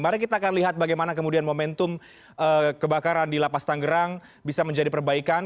mari kita akan lihat bagaimana kemudian momentum kebakaran di lapas tanggerang bisa menjadi perbaikan